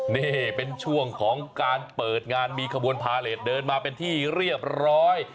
นี่เป็นช่วงของการเปิดงานมีขบวนพาเลสเดินมาเป็นที่เรียบร้อย